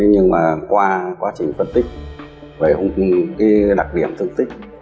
nhưng mà qua quá trình phân tích về cái đặc điểm thương tích